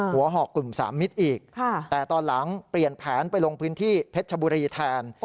หอกกลุ่มสามมิตรอีกแต่ตอนหลังเปลี่ยนแผนไปลงพื้นที่เพชรชบุรีแทน